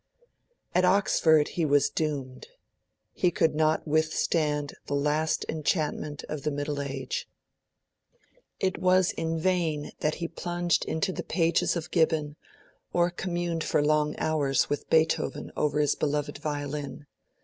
At Oxford, he was doomed. He could not withstand the last enchantment of the Middle Age. It was in vain that he plunged into the pages of Gibbon or communed for long hours with Beethoven over his beloved violin.